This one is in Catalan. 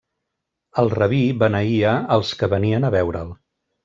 El rabí beneïa als que venien a veure'l.